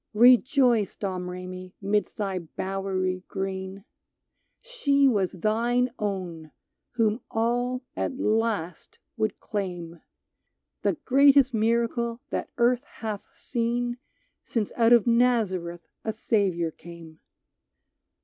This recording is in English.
139 "BLESSED Rejoice, Domremy, 'midst thy bowery green ! She was thine own, whom all, at last, would claim —• The greatest miracle that Earth hath seen Since out of Nazareth a Saviour came.